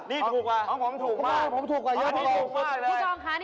นี่ถูกกว่า